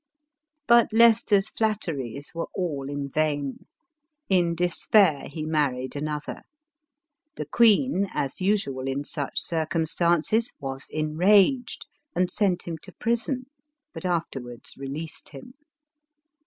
But Leicester's flatteries were all in vain ; in despair he married another ; the queen, as usual in such cir cumstances, was enraged and sent him to prison, but afterwards released him.